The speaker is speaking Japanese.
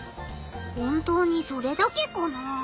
本当にそれだけかなあ？